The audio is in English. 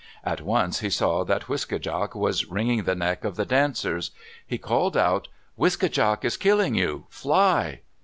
At once he saw that Wiske djak was wringing the neck of the dancers. He called out, "Wiske djak is killing you! Fly!"